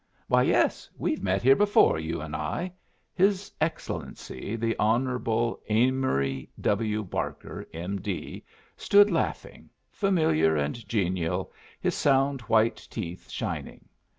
"Why, yes! we've met here before, you and I." His Excellency the Hon. Amory W. Barker, M.D., stood laughing, familiar and genial, his sound white teeth shining.